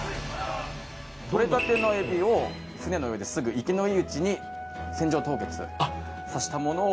獲れたてのえびを船の上ですぐ活きのいいうちに船上凍結させたものを。